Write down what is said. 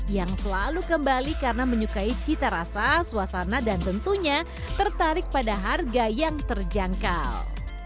yang selalu kembali karena menyukai cita rasa suasana dan tentunya tertarik pada harga yang terjangkau